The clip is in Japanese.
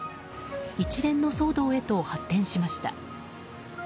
一連の騒動へと発展しました。